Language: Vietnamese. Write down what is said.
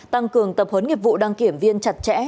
tăng cường tập huấn nghiệp vụ đăng kiểm viên chặt chẽ